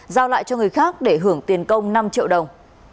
giao lại cho người khác để hưởng tiền công năm triệu đồng